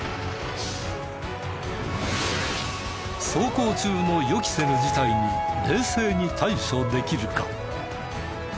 走行中の予期せぬ事態に冷静に対処できるか？